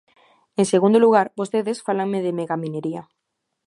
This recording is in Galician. En segundo lugar, vostedes fálanme de megaminería.